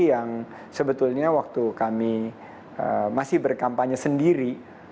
yang sebetulnya waktu kami masih berkampanye sendiri